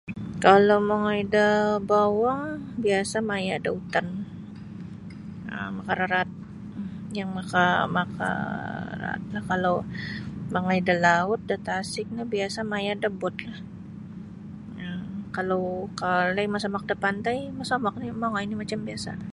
Kalau mongoi da bowong biasa maya da utan um makararaat yang maka maka raat no kalau mongoi da laut da tasik no biasa maya da bot lah um kalau kalai masomok da pantai mosomok nio mongoi nio macam biasa.